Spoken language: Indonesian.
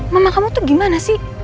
mama kamu tuh gimana sih